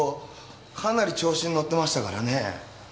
かなり調子に乗ってましたからね。